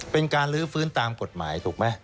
เป็นการลื้อฟื้นตามกฎหมายถูกไหม